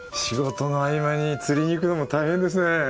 仕事の合間に釣りに行くのも大変ですね。